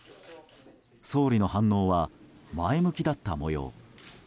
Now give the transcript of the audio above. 総理の反応は前向きだった模様。